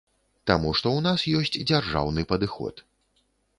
Таму што ў нас ёсць дзяржаўны падыход.